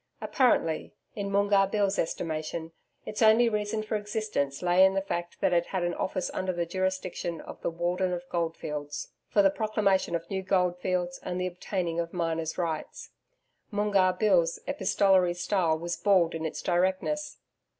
Apparently, in Moongarr Bill's estimation, its only reason for existence lay in the fact that it had an office under the jurisdiction of the Warden of Goldfields, for the proclamation of new goldfields, and the obtaining of Miner's Rights. Moongarr Bill's epistolary style was bald in its directness.